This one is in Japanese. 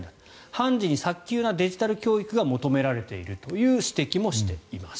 判事に早急なデジタル教育が求められているという指摘もしています。